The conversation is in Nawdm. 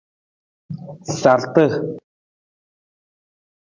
Sarta.